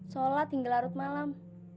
solat hingga larut malam